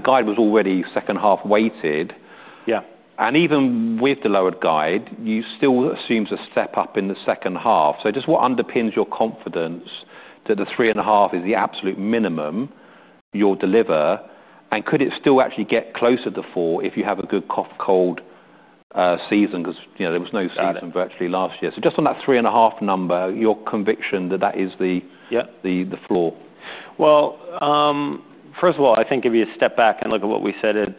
The guide was already second half weighted. Yeah. Even with the lowered guide, you still assumed a step up in the second half. I just want to underpin your confidence that the 3.5% is the absolute minimum you'll deliver. Could it still actually get closer to 4% if you have a good cough cold season? There was no season virtually last year. Just on that 3.5% number, your conviction that that is the floor. First of all, I think if you step back and look at what we said at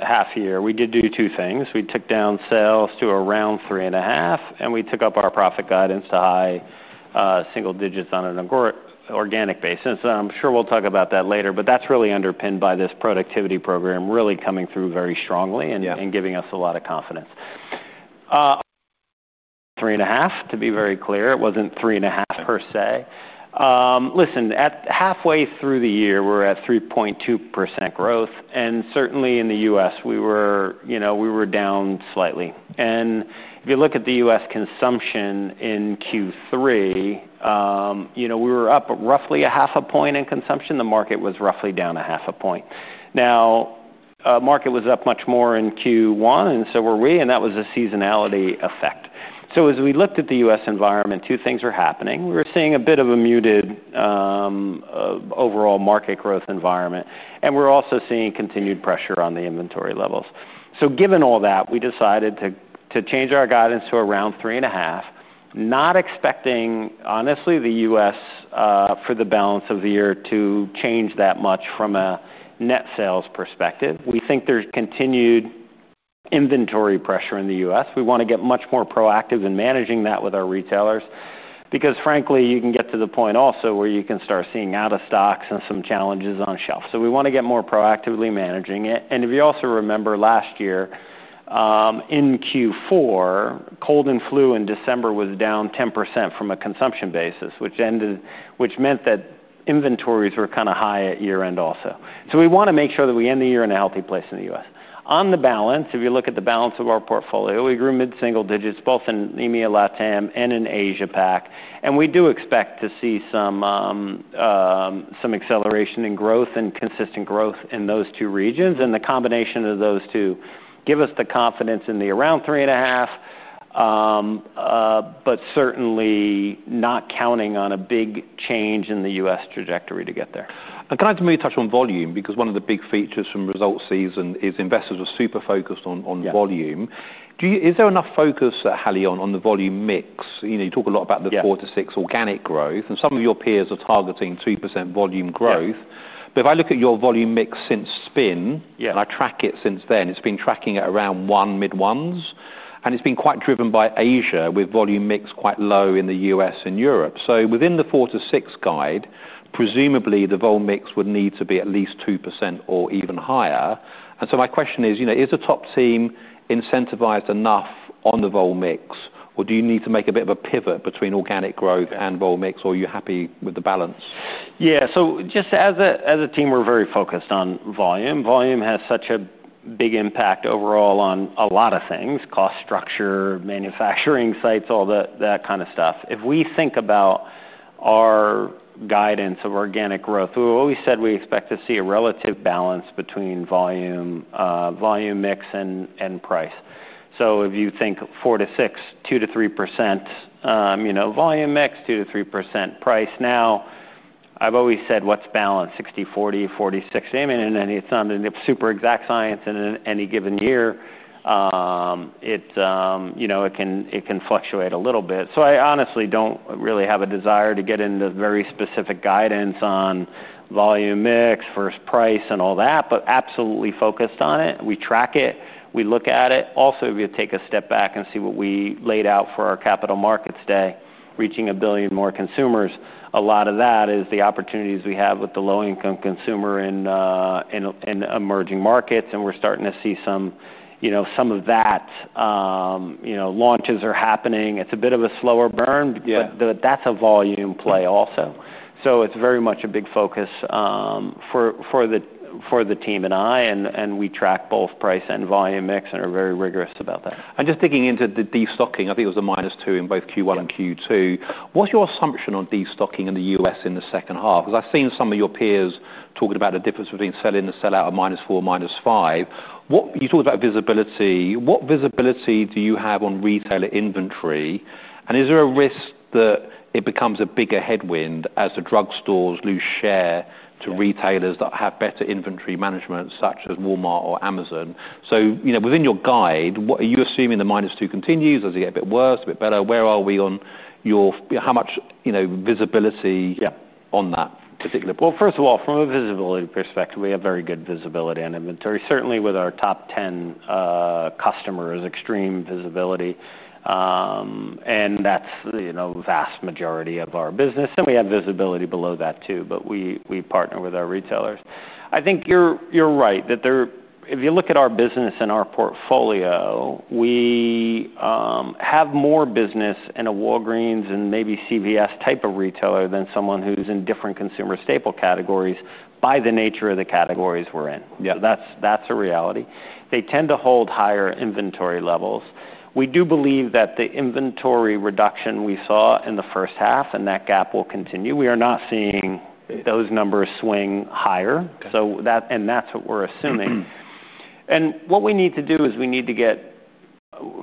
half year, we did do two things. We took down sales to around 3.5%, and we took up our profit guidance to high single digits on an organic basis. I'm sure we'll talk about that later. That's really underpinned by this productivity program really coming through very strongly and giving us a lot of confidence. 3.5%, to be very clear, it wasn't 3.5% per se. Listen, at halfway through the year, we're at 3.2% growth. Certainly in the U.S., we were, you know, we were down slightly. If you look at the U.S. consumption in Q3, you know, we were up roughly [0.5%] in consumption. The market was roughly down [0.5%]. The market was up much more in Q1, and so were we. That was a seasonality effect. As we looked at the U.S. environment, two things were happening. We were seeing a bit of a muted overall market growth environment, and we're also seeing continued pressure on the inventory levels. Given all that, we decided to change our guidance to around 3.5%, not expecting, honestly, the U.S., for the balance of the year to change that much from a net sales perspective. We think there's continued inventory pressure in the U.S. We want to get much more proactive in managing that with our retailers because, frankly, you can get to the point also where you can start seeing out of stocks and some challenges on shelf. We want to get more proactively managing it. If you also remember last year, in Q4, cold and flu in December was down 10% from a consumption basis, which meant that inventories were kind of high at year end also. We want to make sure that we end the year in a healthy place in the U.S. On the balance, if you look at the balance of our portfolio, we grew mid-single digits both in EMEA, LATAM, and in Asia-Pac. We do expect to see some acceleration in growth and consistent growth in those two regions. The combination of those two gives us the confidence in the around 3.5%, but certainly not counting on a big change in the U.S. trajectory to get there. I'm glad to meet you touch on volume because one of the big features from results season is investors are super focused on volume. Do you, is there enough focus at Haleon on the volume mix? You know, you talk a lot about the 4%-6% organic growth and some of your peers are targeting 3% volume growth. If I look at your volume mix since spin, and I track it since then, it's been tracking at around one, mid ones. It's been quite driven by Asia with volume mix quite low in the U.S. and Europe. Within the 4%-6% guide, presumably the volume mix would need to be at least 2% or even higher. My question is, is the top team incentivized enough on the volume mix or do you need to make a bit of a pivot between organic growth and volume mix or are you happy with the balance? Yeah, just as a team, we're very focused on volume. Volume has such a big impact overall on a lot of things: cost structure, manufacturing sites, all that kind of stuff. If we think about our guidance of organic growth, we always said we expect to see a relative balance between volume, volume mix, and price. If you think 4%-6%, 2%- 3%, you know, volume mix, 2%-3% price. I've always said what's balance? 60/40, 40/60. I mean, it's not a super exact science in any given year. It can fluctuate a little bit. I honestly don't really have a desire to get into very specific guidance on volume mix versus price and all that, but absolutely focused on it. We track it. We look at it. Also, if you take a step back and see what we laid out for our capital markets today, reaching a billion more consumers, a lot of that is the opportunities we have with the low-income consumer in emerging markets. We're starting to see some of that. Launches are happening. It's a bit of a slower burn, but that's a volume play also. It's very much a big focus for the team and I, and we track both price and volume mix and are very rigorous about that. Just digging into the destocking, I think it was a -2 in both Q1 and Q2. What's your assumption on destocking in the U.S. in the second half? I've seen some of your peers talking about the difference between sell-in and sell-out of -4, -5. You talked about visibility. What visibility do you have on retailer inventory? Is there a risk that it becomes a bigger headwind as the drug stores lose share to retailers that have better inventory management such as Walmart or Amazon? Within your guide, what are you assuming? The -2 continues, does it get a bit worse, a bit better? Where are we on your, how much visibility on that particular point? From a visibility perspective, we have very good visibility on inventory, certainly with our top 10 customers, extreme visibility. That is the vast majority of our business. We have visibility below that too. We partner with our retailers. I think you're right that if you look at our business and our portfolio, we have more business in a Walgreens and maybe CVS type of retailer than someone who's in different consumer staple categories by the nature of the categories we're in. That is a reality. They tend to hold higher inventory levels. We do believe that the inventory reduction we saw in the first half and that gap will continue. We are not seeing those numbers swing higher. That is what we're assuming. What we need to do is we need to get,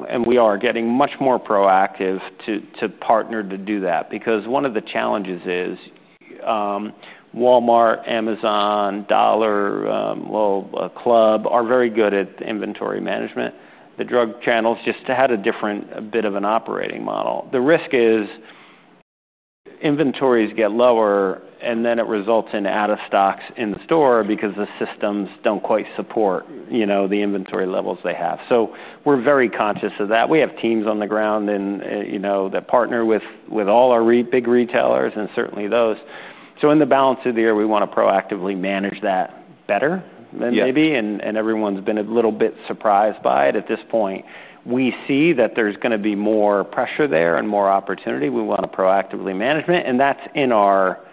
and we are getting, much more proactive to partner to do that because one of the challenges is Walmart, Amazon, Dollar, Lowe's, Club are very good at inventory management. The drug channels just had a different bit of an operating model. The risk is inventories get lower and then it results in out of stocks in the store because the systems don't quite support the inventory levels they have. We are very conscious of that. We have teams on the ground that partner with all our big retailers and certainly those. In the balance of the year, we want to proactively manage that better than maybe, and everyone's been a little bit surprised by it. At this point, we see that there's going to be more pressure there and more opportunity. We want to proactively manage it. That is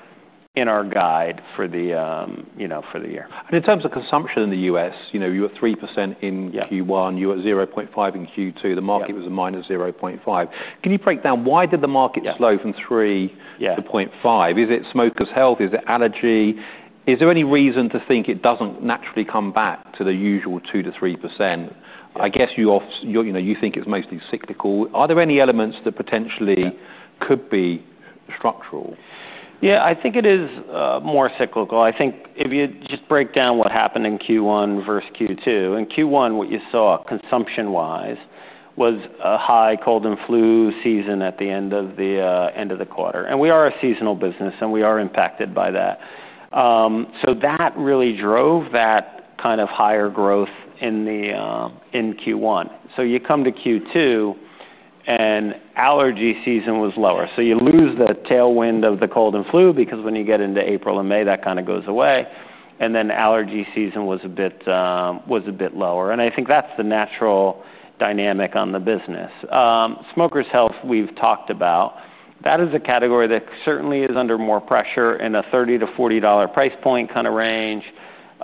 in our guide for the year. In terms of consumption in the U.S., you were 3% in Q1, you were 0.5% in Q2. The market was a -0.5%. Can you break down why the market slowed from 3% to 0.5%? Is it smoker's health? Is it allergy? Is there any reason to think it doesn't naturally come back to the usual 2%-3%? I guess you often think it's mostly cyclical. Are there any elements that potentially could be structural? Yeah, I think it is more cyclical. I think if you just break down what happened in Q1 versus Q2. In Q1, what you saw consumption-wise was a high cold and flu season at the end of the quarter. We are a seasonal business and we are impacted by that, so that really drove that kind of higher growth in Q1. You come to Q2 and allergy season was lower. You lose the tailwind of the cold and flu because when you get into April and May, that kind of goes away. Allergy season was a bit lower. I think that's the natural dynamic on the business. Smoker's health we've talked about. That is a category that certainly is under more pressure in a $30-$40 price point kind of range.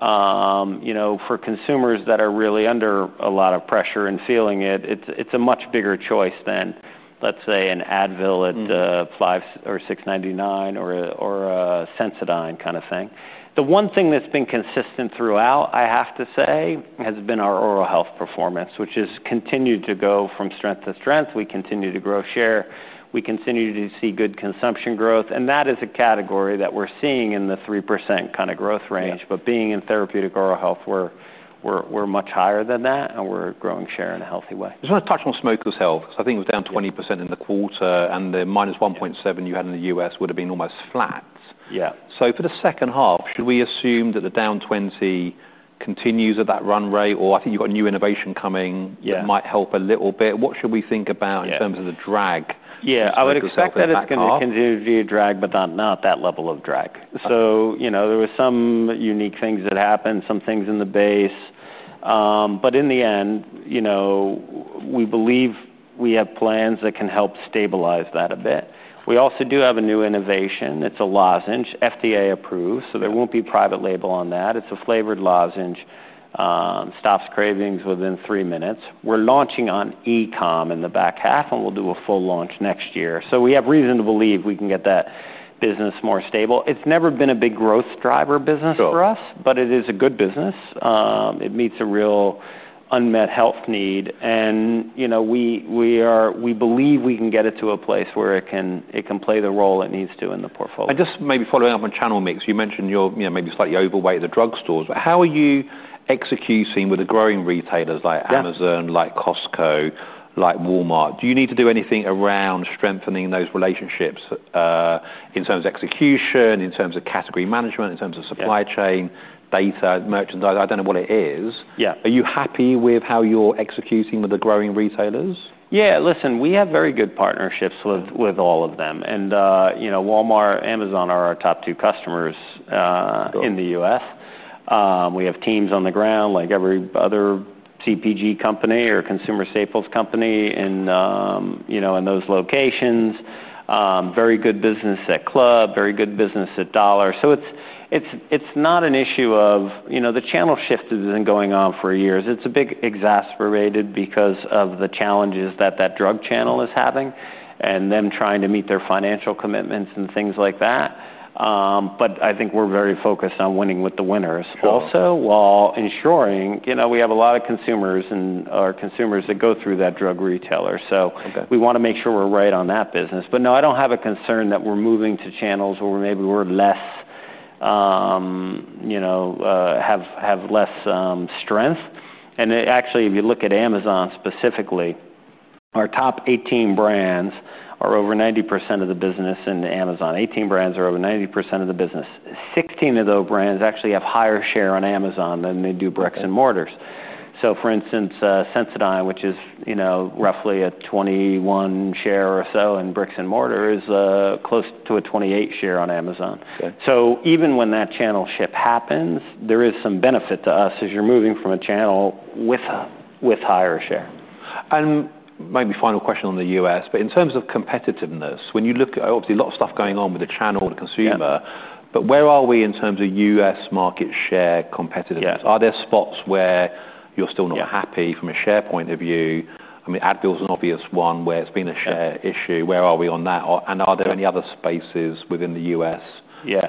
For consumers that are really under a lot of pressure and feeling it, it's a much bigger choice than, let's say, an Advil at $5.99 or $6.99 or a Sensodyne kind of thing. The one thing that's been consistent throughout, I have to say, has been our oral health performance, which has continued to go from strength to strength. We continue to grow share. We continue to see good consumption growth. That is a category that we're seeing in the 3% kind of growth range. Being in therapeutic oral health, we're much higher than that and we're growing share in a healthy way. I just want to touch on smoker's health because I think it was down 20% in the quarter, and the -1.7% you had in the U.S. would have been almost flat. Yeah. For the second half, should we assume that the down 20% continues at that run rate, or I think you've got a new innovation coming that might help a little bit? What should we think about in terms of the drag? Yeah, I would expect that it's going to continue to be a drag, but not that level of drag. There were some unique things that happened, some things in the base. In the end, we believe we have plans that can help stabilize that a bit. We also do have a new innovation. It's a lozenge, FDA approved. There won't be private label on that. It's a flavored lozenge that stops cravings within three minutes. We're launching on e-comm in the back half and we'll do a full launch next year. We have reason to believe we can get that business more stable. It's never been a big growth driver business for us, but it is a good business. It meets a real unmet health need. We believe we can get it to a place where it can play the role it needs to in the portfolio. Maybe following up on channel mix, you mentioned you're, you know, maybe slightly overweight at the drug stores. How are you executing with the growing retailers like Amazon, like Costco, like Walmart? Do you need to do anything around strengthening those relationships, in terms of execution, in terms of category management, in terms of supply chain, data, merchandise? I don't know what it is. Yeah. Are you happy with how you're executing with the growing retailers? Yeah, listen, we have very good partnerships with all of them. You know, Walmart and Amazon are our top two customers in the U.S. We have teams on the ground like every other CPG company or consumer staples company in those locations. Very good business at Club, very good business at Dollar. It's not an issue of, you know, the channel shift has been going on for years. It's a bit exasperated because of the challenges that the drug channel is having and them trying to meet their financial commitments and things like that. I think we're very focused on winning with the winners also while ensuring, you know, we have a lot of consumers and our consumers that go through that drug retailer. We want to make sure we're right on that business. No, I don't have a concern that we're moving to channels where maybe we have less strength. Actually, if you look at Amazon specifically, our top 18 brands are over 90% of the business in Amazon. Eighteen brands are over 90% of the business. Sixteen of those brands actually have higher share on Amazon than they do in bricks and mortar. For instance, Sensodyne, which is roughly a 21% share or so in bricks and mortar, is close to a 28% share on Amazon. Even when that channel shift happens, there is some benefit to us as you're moving from a channel with higher share. This might be a final question on the U.S., but in terms of competitiveness, when you look at obviously a lot of stuff going on with the channel to consumer, where are we in terms of U.S. market share competitiveness? Are there spots where you're still not happy from a share point of view? I mean, Advil is an obvious one where it's been a share issue. Where are we on that? Are there any other spaces within the U.S.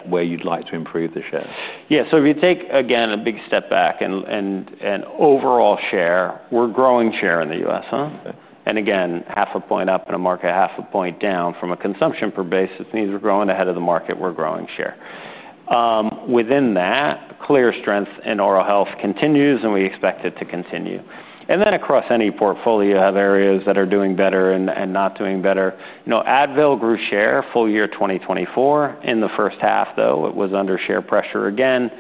where you'd like to improve the share? Yeah, if you take again a big step back and overall share, we're growing share in the U.S., huh? Again, [0.5%] up in a market, [0.5%] down from a consumption per basis needs, we're growing ahead of the market. We're growing share. Within that, clear strength in oral health continues, and we expect it to continue. Across any portfolio, you have areas that are doing better and not doing better. Advil grew share full year 2024. In the first half, though, it was under share pressure again.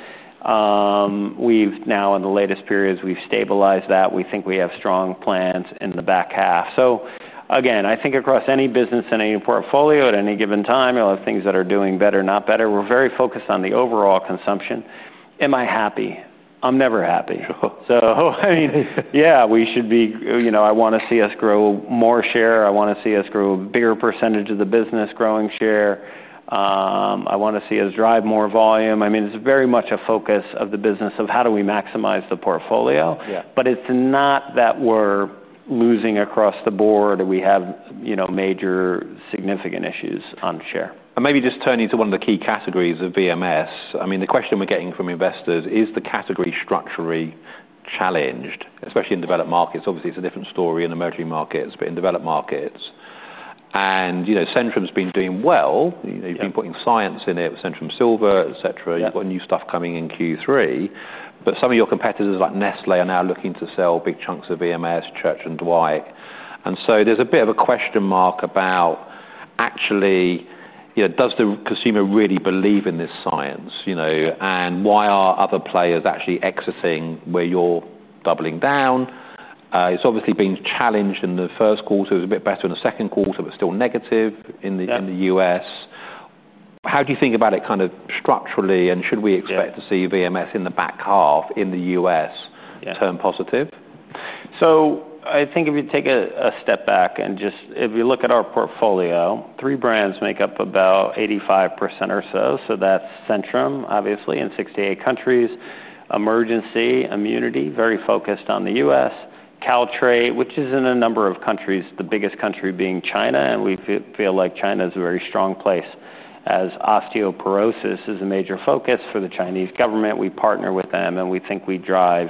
We've now, in the latest periods, stabilized that. We think we have strong plans in the back half. I think across any business in any portfolio at any given time, you'll have things that are doing better, not better. We're very focused on the overall consumption. Am I happy? I'm never happy. I mean, yeah, we should be, you know, I want to see us grow more share. I want to see us grow a bigger percentage of the business growing share. I want to see us drive more volume. It's very much a focus of the business of how do we maximize the portfolio. It's not that we're losing across the board or we have major significant issues on share. Maybe just turning to one of the key categories of BMS. The question we're getting from investors is, is the category structurally challenged, especially in developed markets? Obviously, it's a different story in emerging markets, but in developed markets, and, you know, Centrum's been doing well. You've been putting science in it with Centrum Silver, etc. You've got new stuff coming in Q3. Some of your competitors like Nestlé are now looking to sell big chunks of BMS, Church & Dwight. There's a bit of a question mark about actually, you know, does the consumer really believe in this science, you know, and why are other players actually exiting where you're doubling down? It's obviously been challenged in the first quarter. It was a bit better in the second quarter, but still negative in the U.S. How do you think about it kind of structurally? Should we expect to see BMS in the back half in the U.S. turn positive? If you take a step back and just look at our portfolio, three brands make up about 85% or so. That's Centrum, obviously, in 68 countries; Emergen-C [Immune+], very focused on the U.S.; and Caltrate, which is in a number of countries, the biggest country being China. We feel like China is a very strong place as osteoporosis is a major focus for the Chinese government. We partner with them and we think we drive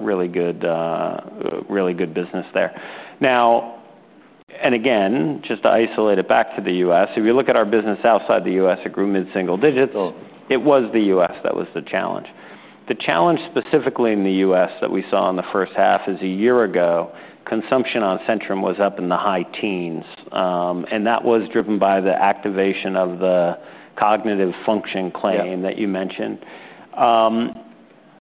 really good business there. If you look at our business outside the U.S., it grew mid-single digits. It was the U.S. that was the challenge. The challenge specifically in the U.S. that we saw in the first half is a year ago, consumption on Centrum was up in the high teens, and that was driven by the activation of the cognitive function claim that you mentioned.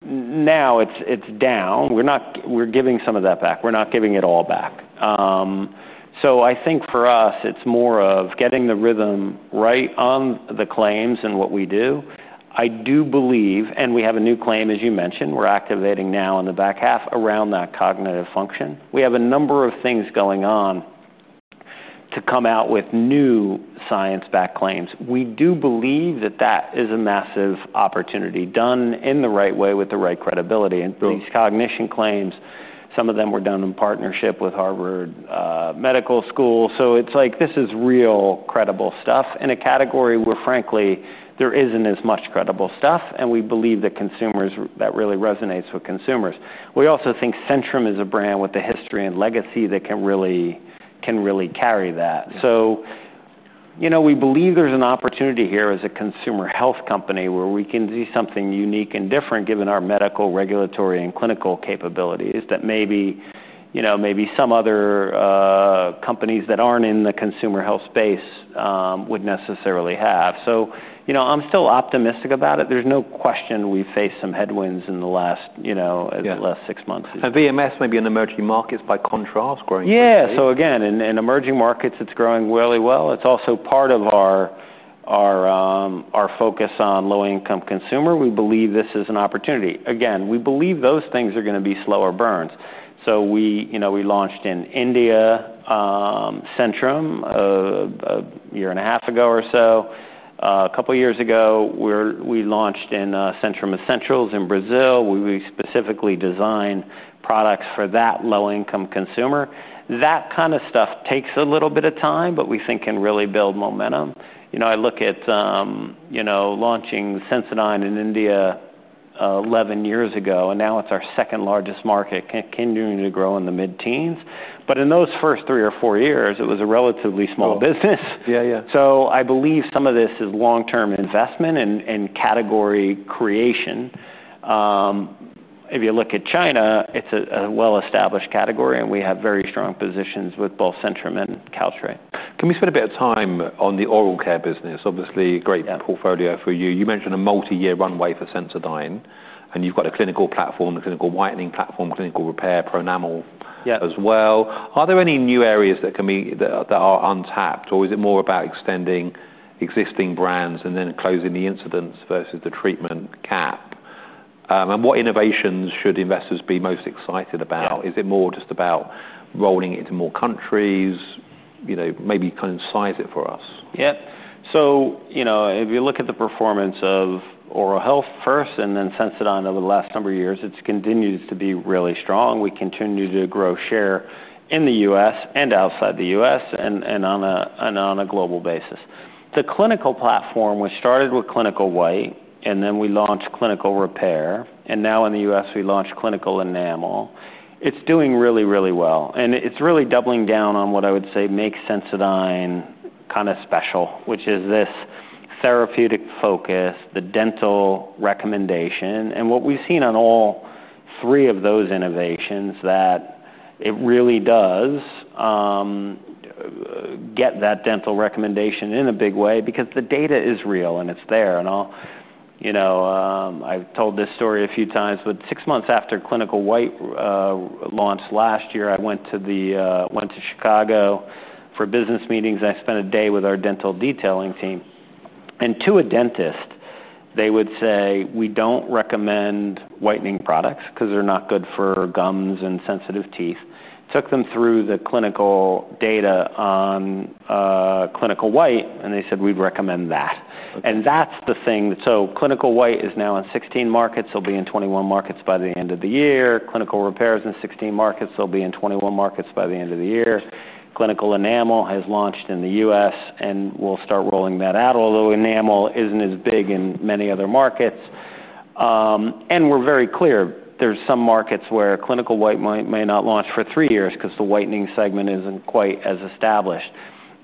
Now it's down. We're giving some of that back. We're not giving it all back. For us, it's more of getting the rhythm right on the claims and what we do. I do believe, and we have a new claim, as you mentioned, we're activating now in the back half around that cognitive function. We have a number of things going on to come out with new science-backed claims. We do believe that is a massive opportunity done in the right way with the right credibility. These cognition claims, some of them were done in partnership with Harvard Medical School. This is real credible stuff in a category where, frankly, there isn't as much credible stuff. We believe that really resonates with consumers. We also think Centrum is a brand with a history and legacy that can really carry that. We believe there's an opportunity here as a consumer health company where we can do something unique and different, given our medical, regulatory, and clinical capabilities that maybe some other companies that aren't in the consumer health space would necessarily have. I'm still optimistic about it. There's no question we've faced some headwinds in the last six months. BMS may be in emerging markets by contrast growing. Yeah. In emerging markets, it's growing really well. It's also part of our focus on low-income consumer. We believe this is an opportunity. We believe those things are going to be slower burns. We launched in India, Centrum, a year and a half ago or so. A couple of years ago, we launched Centrum Essentials in Brazil. We specifically designed products for that low-income consumer. That kind of stuff takes a little bit of time, but we think can really build momentum. I look at launching Sensodyne in India, 11 years ago, and now it's our second largest market, continuing to grow in the mid-teens. In those first three or four years, it was a relatively small business. I believe some of this is long-term investment and category creation. If you look at China, it's a well-established category, and we have very strong positions with both Centrum and Caltrate. Can we spend a bit of time on the oral care business? Obviously, great portfolio for you. You mentioned a multi-year runway for Sensodyne, and you've got a Clinical platform, a Clinical whitening platform, Clinical Repair, Pronamel as well. Are there any new areas that are untapped, or is it more about extending existing brands and then closing the incidents versus the treatment cap? What innovations should investors be most excited about? Is it more just about rolling it into more countries, maybe kind of size it for us? Yep. If you look at the performance of Oral Health first and then Sensodyne over the last number of years, it continues to be really strong. We continue to grow share in the U.S. and outside the U.S. and on a global basis. The clinical platform, we started with Clinical White, and then we launched Clinical Repair. Now in the U.S., we launched Clinical Enamel. It's doing really, really well. It's really doubling down on what I would say makes Sensodyne kind of special, which is this therapeutic focus, the dental recommendation. What we've seen on all three of those innovations is that it really does get that dental recommendation in a big way because the data is real and it's there. I've told this story a few times, but six months after Clinical White launched last year, I went to Chicago for business meetings. I spent a day with our dental detailing team. To a dentist, they would say, we don't recommend whitening products because they're not good for gums and sensitive teeth. Took them through the clinical data on Clinical White, and they said, we'd recommend that. That's the thing. Clinical White is now in 16 markets. It'll be in 21 markets by the end of the year. Clinical Repair is in 16 markets. It'll be in 21 markets by the end of the year. Clinical Enamel has launched in the U.S. and we'll start rolling that out, although Enamel isn't as big in many other markets. We're very clear. There are some markets where Clinical White may not launch for three years because the whitening segment isn't quite as established.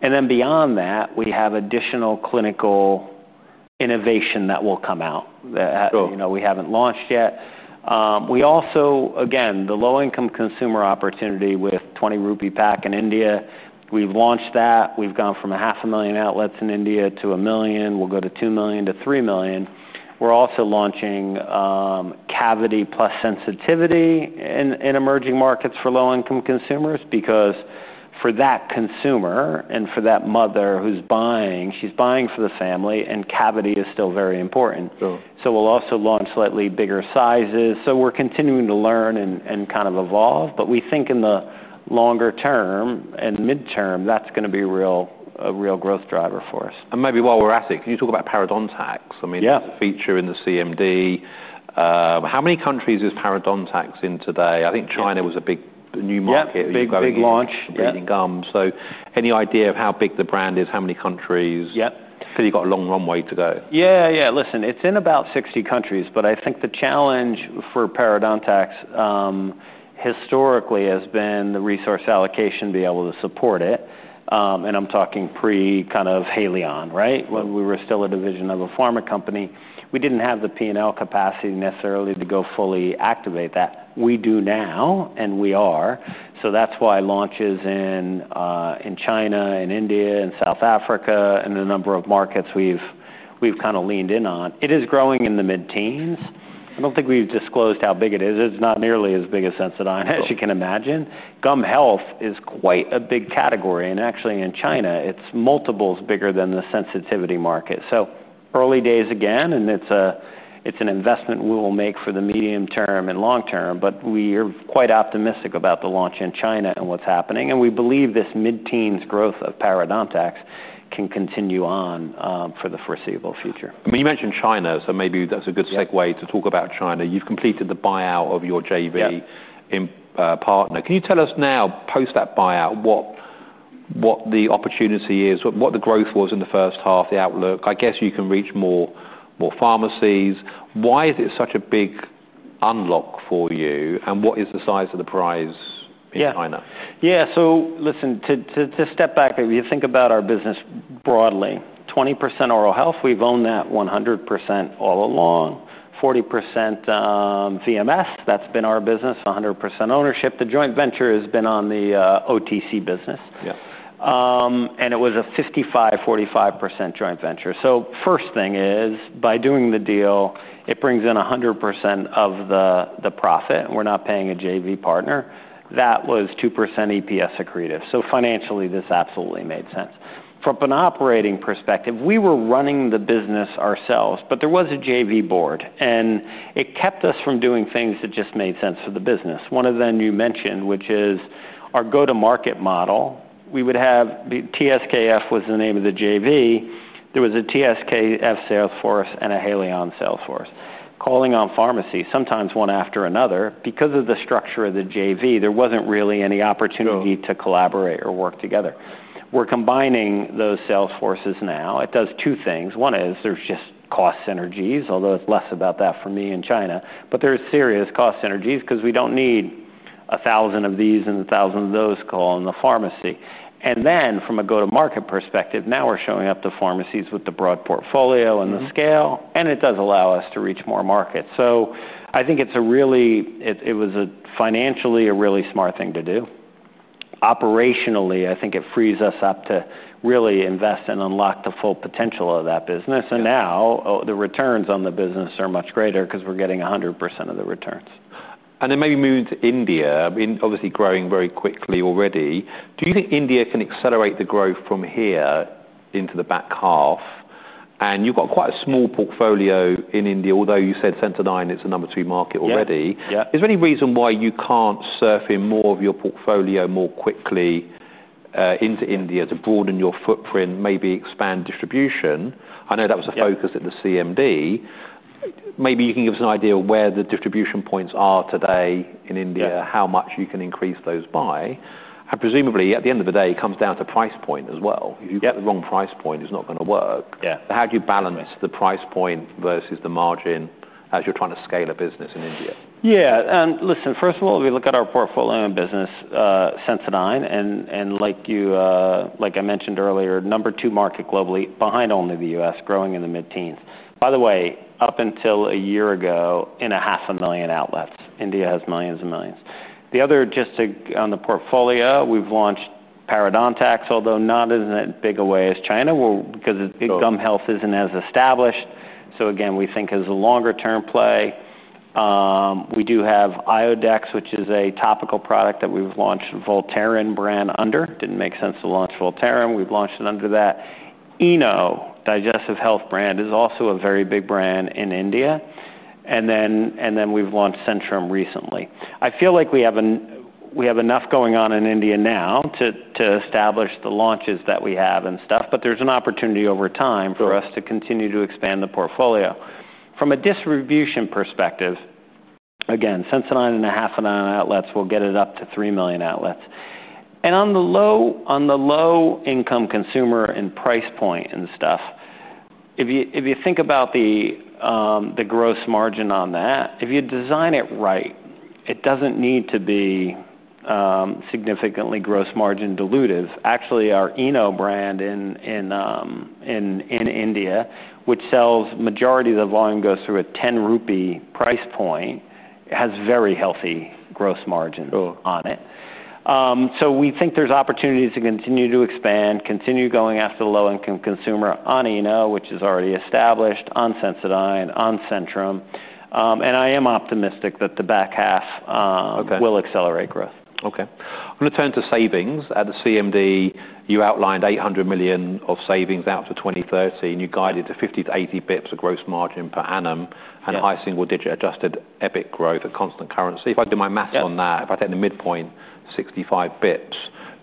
Beyond that, we have additional clinical innovation that will come out that we haven't launched yet. We also, again, the low-income consumer opportunity with 20 rupee pack in India, we've launched that. We've gone from half a million outlets in India to a million. We'll go to 2 million to 3 million. We're also launching Cavity+Sensitivity in emerging markets for low-income consumers because for that consumer and for that mother who's buying, she's buying for the family and cavity is still very important. We'll also launch slightly bigger sizes. We're continuing to learn and kind of evolve. We think in the longer term and mid-term, that's going to be a real, a real growth driver for us. Maybe while we're asking, can you talk about parodontax? I mean, the feature in the CMD. How many countries is parodontax in today? I think China was a big new market. Yeah, big, big launch. Gums. Any idea of how big the brand is, how many countries? Yep. You've got a long runway to go. Yeah, yeah. Listen, it's in about 60 countries, but I think the challenge for parodontax historically has been the resource allocation to be able to support it. I'm talking pre kind of Haleon, right? When we were still a division of a pharma company, we didn't have the P&L capacity necessarily to go fully activate that. We do now and we are. That's why launches in China, in India, in South Africa, and a number of markets we've kind of leaned in on. It is growing in the mid-teens. I don't think we've disclosed how big it is. It's not nearly as big as Sensodyne as you can imagine. Gum health is quite a big category. Actually, in China, it's multiples bigger than the sensitivity market. Early days again, and it's an investment we'll make for the medium term and long term. We are quite optimistic about the launch in China and what's happening. We believe this mid-teens growth of parodontax can continue on for the foreseeable future. I mean, you mentioned China. Maybe that's a good segue to talk about China. You've completed the buyout of your JV partner. Can you tell us now, post that buyout, what the opportunity is, what the growth was in the first half, the outlook? I guess you can reach more pharmacies. Why is it such a big unlock for you? What is the size of the prize in China? Yeah, so listen, to step back, if you think about our business broadly, 20% oral health, we've owned that 100% all along. 40% BMS, that's been our business, 100% ownership. The joint venture has been on the OTC business. It was a 55%, 45% joint venture. First thing is, by doing the deal, it brings in 100% of the profit. We're not paying a JV partner. That was 2% EPS accretive. Financially, this absolutely made sense. From an operating perspective, we were running the business ourselves, but there was a JV board. It kept us from doing things that just made sense for the business. One of them you mentioned, which is our go-to-market model. We would have TSKF was the name of the JV. There was a TSKF sales force and a Haleon sales force calling on pharmacies, sometimes one after another. Because of the structure of the JV, there wasn't really any opportunity to collaborate or work together. We're combining those sales forces now. It does two things. One is there's just cost synergies, although it's less about that for me in China. There's serious cost synergies because we don't need a thousand of these and a thousand of those calling the pharmacy. From a go-to-market perspective, now we're showing up to pharmacies with the broad portfolio and the scale. It does allow us to reach more markets. I think it was financially a really smart thing to do. Operationally, I think it frees us up to really invest and unlock the full potential of that business. Now the returns on the business are much greater because we're getting 100% of the returns. Maybe moving to India, obviously growing very quickly already. Do you think India can accelerate the growth from here into the back half? You've got quite a small portfolio in India, although you said Sensodyne is the number two market already. Is there any reason why you can't surf in more of your portfolio more quickly into India to broaden your footprint, maybe expand distribution? I know that was a focus at the CMD. Maybe you can give us an idea of where the distribution points are today in India, how much you can increase those by. Presumably, at the end of the day, it comes down to price point as well. If you get the wrong price point, it's not going to work. Yeah. How do you balance the price point versus the margin as you're trying to scale a business in India? Yeah, and listen, first of all, we look at our portfolio and business, Sensodyne, and like you, like I mentioned earlier, number two market globally, behind only the U.S., growing in the mid-teens. By the way, up until a year ago, in a half a million outlets, India has millions and millions. The other just to on the portfolio, we've launched parodontax, although not in a bigger way as China because gum health isn't as established. Again, we think as a longer-term play. We do have Iodex, which is a topical product that we've launched Voltaren brand under. It didn't make sense to launch Voltaren. We've launched it under that. ENO, digestive health brand, is also a very big brand in India. Then we've launched Centrum recently. I feel like we have enough going on in India now to establish the launches that we have and stuff, but there's an opportunity over time for us to continue to expand the portfolio. From a distribution perspective, again, Sensodyne in a half a million outlets will get it up to 3 million outlets. On the low-income consumer and price point and stuff, if you think about the gross margin on that, if you design it right, it doesn't need to be significantly gross margin dilutive. Actually, our ENO brand in India, which sells the majority of the volume, goes through a 10 rupee price point, has very healthy gross margin on it. We think there's opportunities to continue to expand, continue going after the low-income consumer on ENO, which is already established, on Sensodyne, on Centrum. I am optimistic that the back half will accelerate growth. Okay. I am going to turn to savings. At the CMD, you outlined 800 million of savings out for 2030. You guided to 50 basis points-80 basis points of gross margin per annum and high single-digit adjusted EBIT growth at constant currency. If I do my math on that, if I take the midpoint, 65 basis points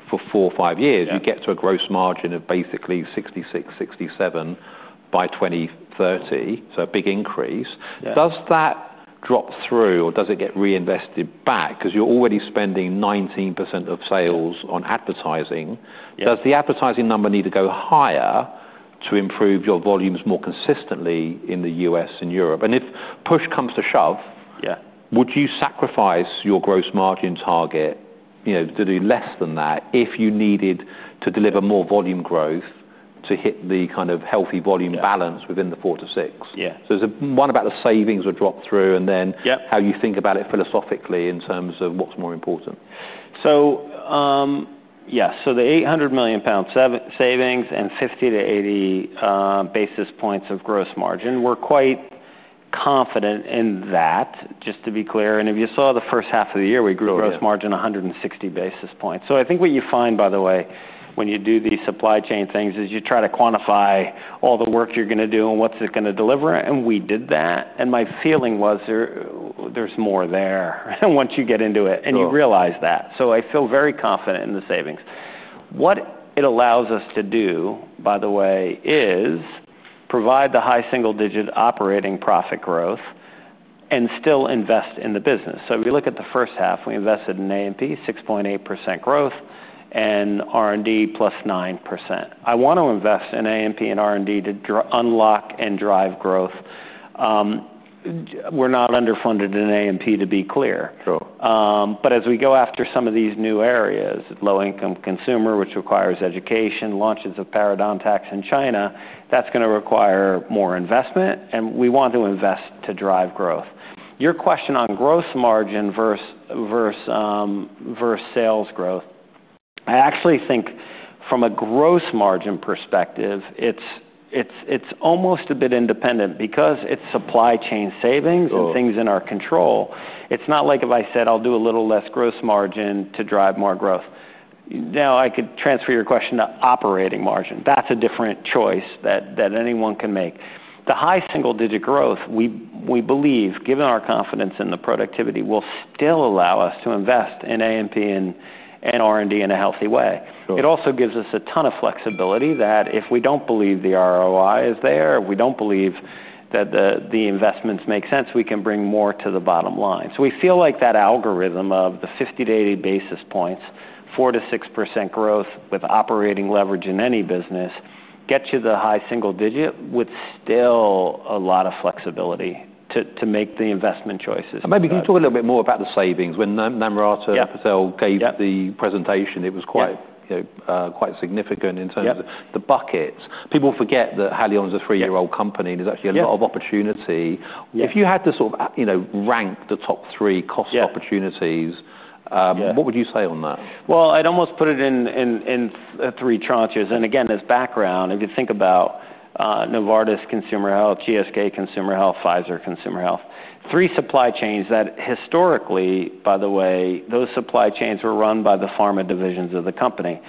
for four or five years, you get to a gross margin of basically 66%, 67% by 2030. That is a big increase. Does that drop through or does it get reinvested back? You are already spending 19% of sales on advertising. Does the advertising number need to go higher to improve your volumes more consistently in the U.S. and Europe? If push comes to shove, would you sacrifice your gross margin target to do less than that if you needed to deliver more volume growth to hit the kind of healthy volume balance within the 4%-6%? Yeah. There is one about the savings or drop through, and then how you think about it philosophically in terms of what's more important? The 800 million pound savings and 50 basis points-80 basis points of gross margin, we're quite confident in that, just to be clear. If you saw the first half of the year, we grew gross margin 160 basis points. I think what you find, by the way, when you do these supply chain things is you try to quantify all the work you're going to do and what it's going to deliver. We did that. My feeling was there's more there once you get into it and you realize that. I feel very confident in the savings. What it allows us to do, by the way, is provide the high single-digit operating profit growth and still invest in the business. If you look at the first half, we invested in A&P, 6.8% growth, and R&D +9%. I want to invest in A&P and R&D to unlock and drive growth. We're not underfunded in A&P, to be clear. As we go after some of these new areas, low-income consumer, which requires education, launches of parodontax in China, that's going to require more investment. We want to invest to drive growth. Your question on gross margin versus sales growth, I actually think from a gross margin perspective, it's almost a bit independent because it's supply chain savings and things in our control. It's not like if I said I'll do a little less gross margin to drive more growth. I could transfer your question to operating margin. That's a different choice that anyone can make. The high single-digit growth, we believe, given our confidence in the productivity, will still allow us to invest in A&P and R&D in a healthy way. It also gives us a ton of flexibility that if we don't believe the ROI is there, we don't believe that the investments make sense, we can bring more to the bottom line. We feel like that algorithm of the 50 basis points-80 basis points, 4 %-6% growth with operating leverage in any business gets you the high single digit with still a lot of flexibility to make the investment choices. Maybe can you talk a little bit more about the savings? When Namrata Patel gave the presentation, it was quite significant in terms of the buckets. People forget that Haleon is a three-year-old company, and there's actually a lot of opportunity. If you had to sort of rank the top three cost opportunities, what would you say on that? I'd almost put it in three tranches. Again, as background, if you think about Novartis Consumer Health, GSK Consumer Health, Pfizer Consumer Health, three supply chains that historically, by the way, those supply chains were run by the pharma divisions of the company.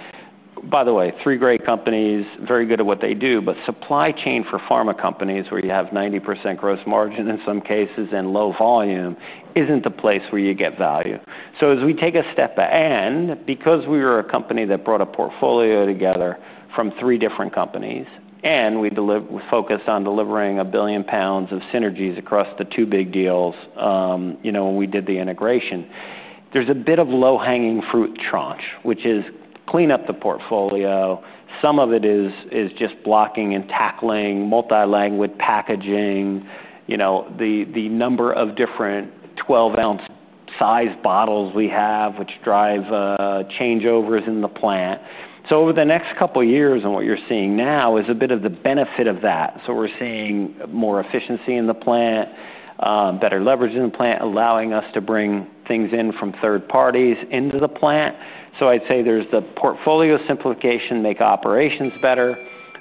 By the way, three great companies, very good at what they do, but supply chain for pharma companies where you have 90% gross margin in some cases and low volume isn't the place where you get value. As we take a step back, and because we were a company that brought a portfolio together from three different companies, we focused on delivering 1 billion pounds of synergies across the two big deals. When we did the integration, there's a bit of low-hanging fruit tranche, which is clean up the portfolio. Some of it is just blocking and tackling multi-language packaging, the number of different 12-oz size bottles we have, which drive changeovers in the plant. Over the next couple of years, what you're seeing now is a bit of the benefit of that. We're seeing more efficiency in the plant, better leverage in the plant, allowing us to bring things in from third parties into the plant. I'd say there's the portfolio simplification, make operations better.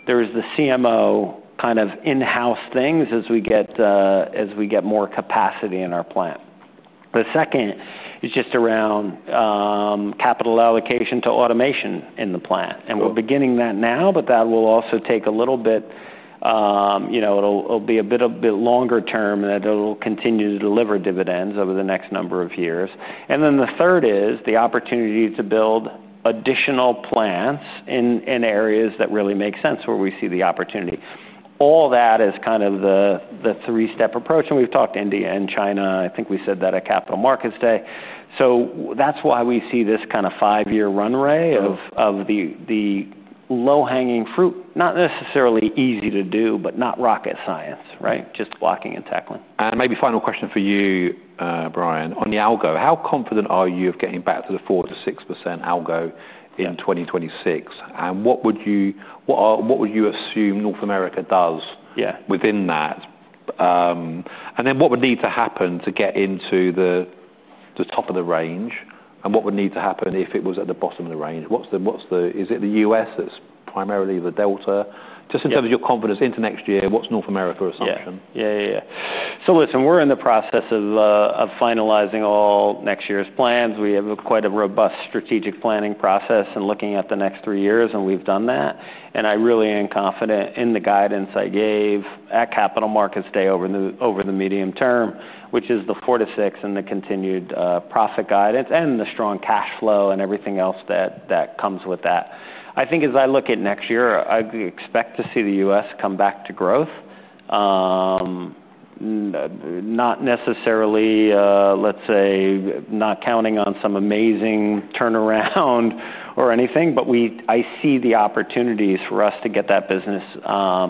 There's the CMO kind of in-house things as we get more capacity in our plant. The second is just around capital allocation to automation in the plant. We're beginning that now, but that will also take a little bit, it'll be a bit longer term that it'll continue to deliver dividends over the next number of years. The third is the opportunity to build additional plants in areas that really make sense where we see the opportunity. All that is kind of the three-step approach. We've talked to India and China. I think we said that at Capital Markets Day. That's why we see this kind of five-year runway of the low-hanging fruit, not necessarily easy to do, but not rocket science, just blocking and tackling. Maybe final question for you, Brian, on the algo. How confident are you of getting back to the 4%-6% algo in 2026? What would you assume North America does within that? What would need to happen to get into the top of the range? What would need to happen if it was at the bottom of the range? Is it the U.S.? It's primarily the delta. In terms of your confidence into next year, what's North America assumption? Yeah, yeah, yeah. Listen, we're in the process of finalizing all next year's plans. We have quite a robust strategic planning process and looking at the next three years, and we've done that. I really am confident in the guidance I gave at Capital Markets Day over the medium term, which is the 4%-6% and the continued profit guidance and the strong cash flow and everything else that comes with that. I think as I look at next year, I expect to see the U.S. come back to growth. Not necessarily, let's say, not counting on some amazing turnaround or anything, but I see the opportunities for us to get that business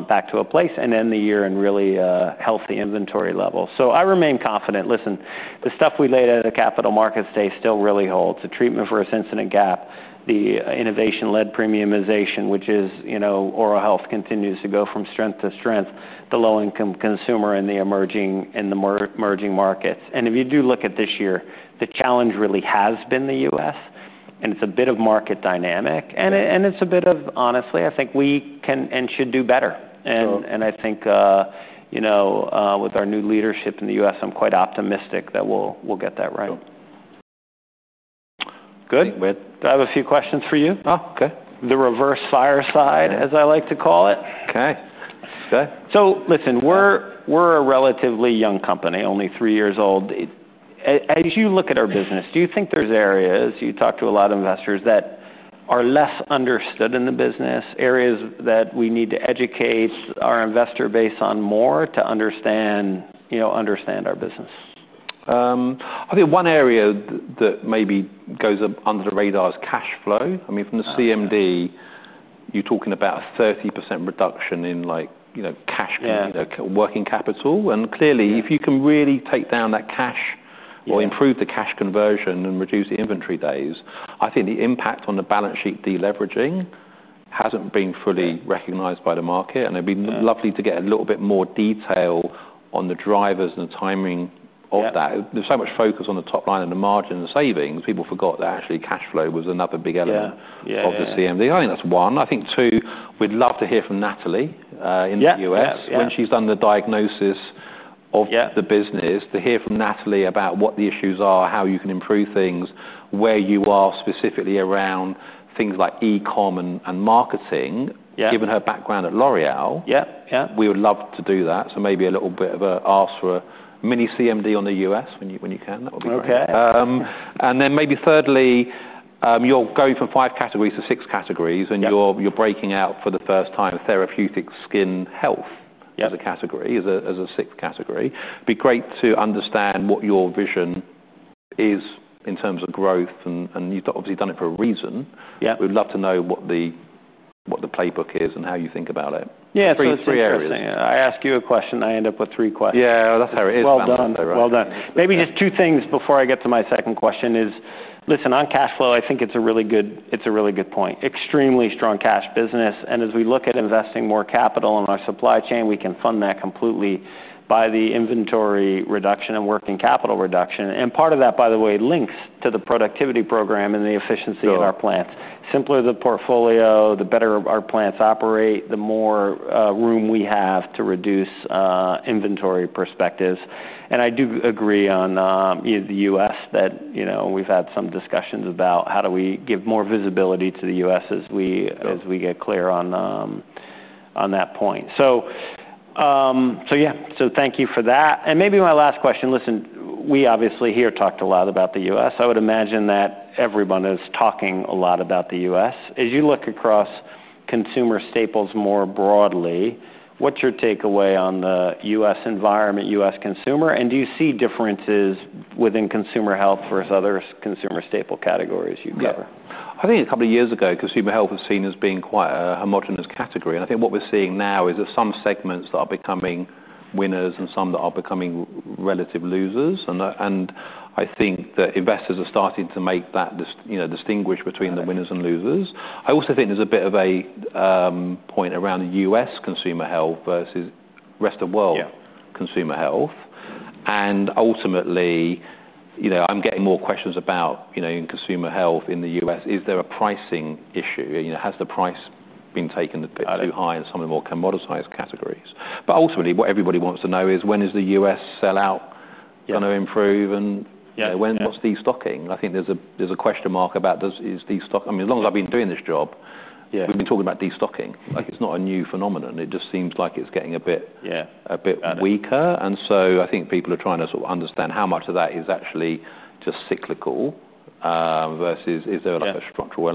back to a place and end the year in really healthy inventory levels. I remain confident. The stuff we laid out at Capital Markets Day still really holds. The treatment for a sensitive gap, the innovation-led premiumization, which is, you know, oral health continues to go from strength to strength, the low-income consumer in the emerging markets. If you do look at this year, the challenge really has been the U.S. It's a bit of market dynamic. Honestly, I think we can and should do better. I think, you know, with our new leadership in the U.S., I'm quite optimistic that we'll get that right. Good. I have a few questions for you. Oh, okay. The reverse fireside, as I like to call it. Okay. We're a relatively young company, only three years old. As you look at our business, do you think there's areas, you talk to a lot of investors, that are less understood in the business, areas that we need to educate our investor base on more to understand our business? I think one area that maybe goes under the radar is cash flow. I mean, from the CMD, you're talking about a 30% reduction in, like, you know, cash flow, working capital. Clearly, if you can really take down that cash or improve the cash conversion and reduce the inventory days, I think the impact on the balance sheet deleveraging hasn't been fully recognized by the market. It'd be lovely to get a little bit more detail on the drivers and the timing of that. There's so much focus on the top line and the margin and the savings. People forgot that actually cash flow was another big element of the CMD. I think that's one. I think two, we'd love to hear from Nathalie in the U.S. when she's done the diagnosis of the business to hear from Nathalie about what the issues are, how you can improve things, where you are specifically around things like e-comm and marketing, given her background at L'Oréal. Yeah, yeah. We would love to do that. Maybe a little bit of an ask for a mini CMD on the U.S. when you can. Okay. Maybe thirdly, you're going from five categories to six categories, and you're breaking out for the first time therapeutic skin health as a category, as a sixth category. It'd be great to understand what your vision is in terms of growth, and you've obviously done it for a reason. Yeah. We'd love to know what the playbook is and how you think about it. Yeah, three areas. I ask you a question, I end up with three questions. Yeah, that's how it is. Well done. Maybe just two things before I get to my second question. Listen, on cash flow, I think it's a really good point. Extremely strong cash business. As we look at investing more capital in our supply chain, we can fund that completely by the inventory reduction and working capital reduction. Part of that, by the way, links to the productivity program and the efficiency of our plants. Simpler the portfolio, the better our plants operate, the more room we have to reduce inventory perspectives. I do agree on the U.S. that we've had some discussions about how do we give more visibility to the U.S. as we get clear on that point. Thank you for that. Maybe my last question, listen, we obviously here talked a lot about the U.S. I would imagine that everyone is talking a lot about the U.S. As you look across consumer staples more broadly, what's your takeaway on the U.S. environment, U.S. consumer? Do you see differences within consumer health versus other consumer staple categories you cover? Yeah, I think a couple of years ago, consumer health was seen as being quite a homogenous category. I think what we're seeing now is there are some segments that are becoming winners and some that are becoming relative losers. I think that investors are starting to make that, you know, distinguish between the winners and losers. I also think there's a bit of a point around U.S. consumer health versus rest of the world consumer health. Ultimately, you know, I'm getting more questions about, you know, in consumer health in the U.S., is there a pricing issue? Has the price been taken a bit too high in some of the more commoditized categories? Ultimately, what everybody wants to know is when is the U.S. sell-out going to improve? When's the stocking? I think there's a question mark about this. As long as I've been doing this job, we've been talking about destocking. It's not a new phenomenon. It just seems like it's getting a bit, yeah, a bit weaker. I think people are trying to sort of understand how much of that is actually just cyclical versus is there a lot of structural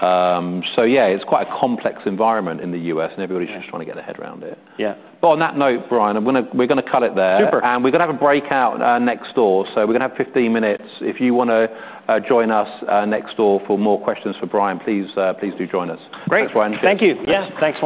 elements. Yeah, it's quite a complex environment in the U.S. and everybody's just trying to get their head around it. Yeah. On that note, Brian, we're going to cut it there. Super. We're going to have a breakout next door. We're going to have 15 minutes. If you want to join us next door for more questions for Brian, please do join us. Great. Thank you. Yes, thanks.